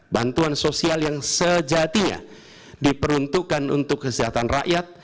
bantuan sosial yang sejatinya diperuntukkan untuk kesehatan rakyat